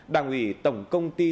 đảng ủy tổng công ty